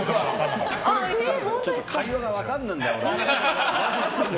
ちょっと会話が分からないんだよな。